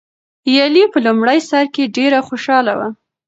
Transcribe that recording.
ایلي په لومړي سر کې ډېره خوشحاله وه.